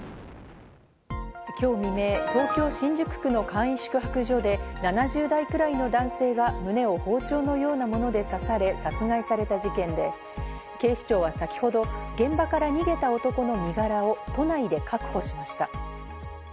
今日未明、東京・新宿区の簡易宿泊所で、７０代くらいの男性が胸を包丁のようなもので刺され殺害された事件で、警視庁は先ほど現場から逃げた男の身柄を都内で確保しました。